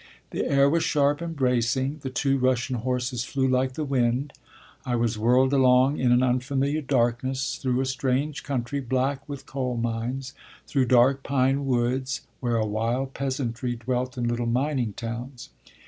The air was sharp and bracing; the two Russian horses flew like the wind; I was whirled along in an unfamiliar darkness, through a strange country, black with coal mines, through dark pine woods, where a wild peasantry dwelt in little mining towns.